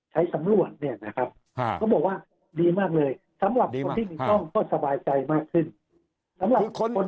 ใช้สำรวจเนี่ยนะครับเขาบอกว่าดีมากเลยสำหรับคนที่มีกล้องก็สบายใจมากขึ้นสำหรับคน